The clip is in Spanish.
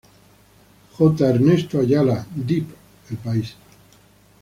J. Ernesto Ayala-Dip, "El País".